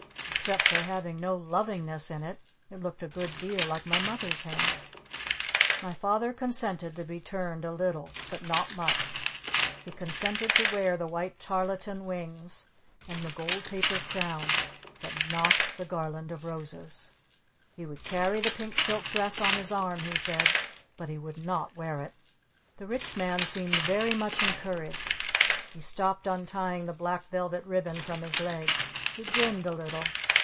Except for having no lovingness in it, it looked a good deal like my Mother's hand. My Father consented to be turned a little! But not much! He consented to wear the white tarlatan wings! And the gold paper crown! But not the garland of roses! He would carry the pink silk dress on his arm, he said. But he would not wear it! The Rich Man seemed very much encouraged. He stopped untying the black velvet ribbon from his leg. He grinned a little.